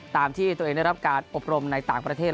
ตามที่ตัวเองได้รับการอบรมในต่างประเทศ